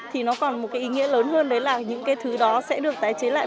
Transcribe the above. thì nó còn một cái ý nghĩa lớn hơn đấy là những cái thứ đó sẽ được tái chế lại